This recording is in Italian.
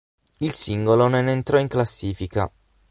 Il singolo non entrò in classifica.